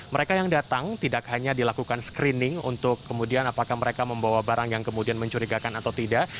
mereka yang datang tidak hanya dilakukan screening untuk kemudian apakah mereka membawa barang yang kemudian mencurigakan atau tidak